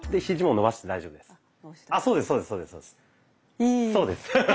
そうです。え！